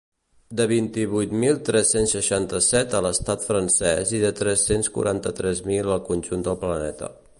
De vint-i-vuit mil tres-cents seixanta-set a l’estat francès i de tres-cents quaranta-tres mil al conjunt del planeta.